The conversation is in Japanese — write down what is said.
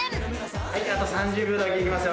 あと３０秒だけいきますよ